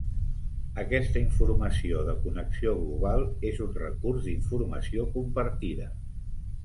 Aquesta informació de connexió global és un recurs d'informació compartida.